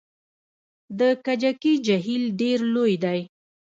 د کجکي جهیل ډیر لوی دی